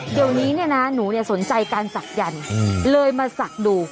เดี๋ยวนี้เนี่ยนะหนูสนใจการศักดันเลยมาศักดิ์ดู